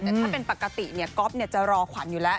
แต่ถ้าเป็นปกติก๊อฟจะรอขวัญอยู่แล้ว